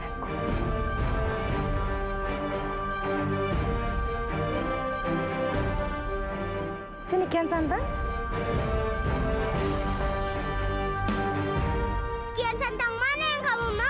aku juga kian santang